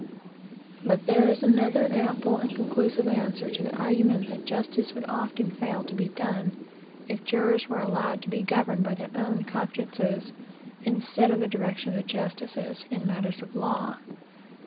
But there is another ample and conclusive answer to the argument that justice would often fail to be done, if jurors were allowed to be governed by their own consciences, instead of the direction of the justices, in matters of law.